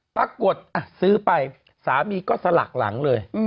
ซื้อไปสามีก็สลักหลังเลย